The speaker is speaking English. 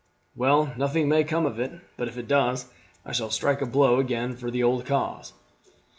"Well, nothing may come of it; but if it does I shall strike a blow again for the old cause."